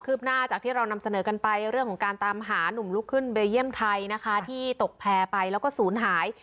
หน้าจากที่เรานำเสนอกันไปเรื่องของการตามหานุ่มลุกขึ้นเบลเยี่ยมไทยนะคะที่ตกแพร่ไปแล้วก็ศูนย์หาย